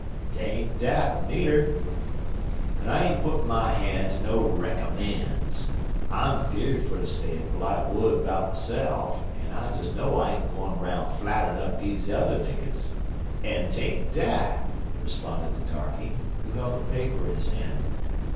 "'Tain't dat, nudder." "An' I ain't puttin' my han' ter no reckommends. I'm fear'd fer ter say a perlite wud 'bout myself, an' I des know I ain't gwine 'roun' flatter'n up deze udder niggers." "An' 'tain't dat," responded the darkey, who held a paper in his hand.